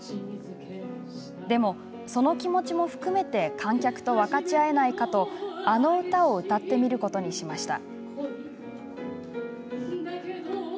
でも、その気持ちも含めて観客と分かち合えないかとあの歌を歌ってみることにしました。